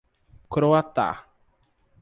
Croatá